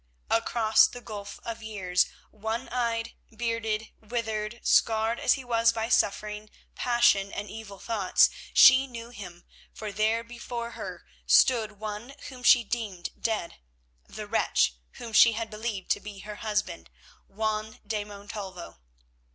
Across the gulf of years, one eyed, bearded, withered, scarred as he was by suffering, passion and evil thoughts, she knew him, for there before her stood one whom she deemed dead, the wretch whom she had believed to be her husband, Juan de Montalvo.